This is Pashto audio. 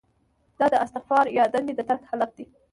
دا د استعفا یا دندې د ترک حالت دی.